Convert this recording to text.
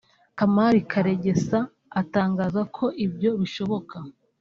Kamari Karegesa atangaza ko ibyo bishoboka